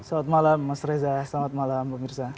selamat malam mas reza selamat malam pemirsa